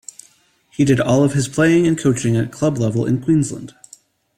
He did all of his playing and coaching at club level in Queensland.